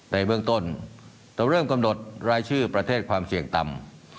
ในเบื้องต้นเราเริ่มกำหนดรายชื่อประเทศความเสี่ยงต่ำ